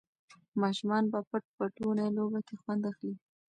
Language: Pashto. ماشومان په پټ پټوني لوبه کې خوند اخلي.